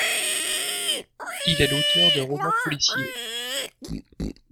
Il est l'auteur de romans policiers.